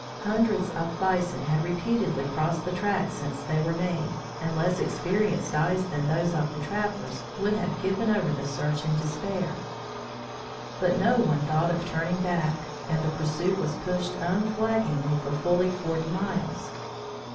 Hundreds of bison had repeatedly crossed the tracks since they were made and less experienced eyes than those of the trappers would have given over the search in despair. But no one thought of turning back, and the pursuit was pushed unflaggingly for fully forty miles.